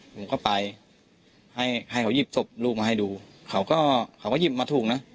ผมก็ไปให้ให้เขาหยิบศพลูกมาให้ดูเขาก็เขาก็หยิบมาถูกนะ